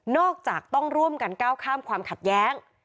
จากต้องร่วมกันก้าวข้ามความขัดแย้ง